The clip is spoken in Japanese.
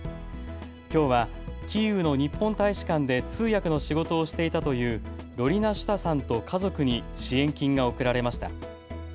きょうはキーウの日本大使館で通訳の仕事をしていたというロリナ・シュタさんと家族に支援金が贈られました。